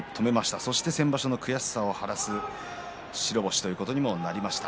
そして先場所の悔しさを晴らす白星ともなりました。